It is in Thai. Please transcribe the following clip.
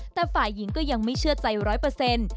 แต่ฝ่ายหญิงก็ยังไม่เชื่อใจร้อยเปอร์เซ็นต์